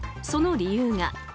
その理由が。